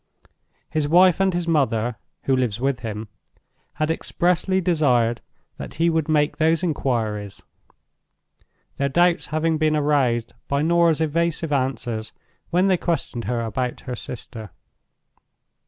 His wife and his mother (who lives with him) had expressly desired that he would make those inquiries; their doubts having been aroused by Norah's evasive answers when they questioned her about her sister.